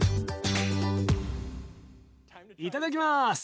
いただきます。